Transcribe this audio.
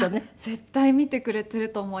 絶対見てくれていると思います。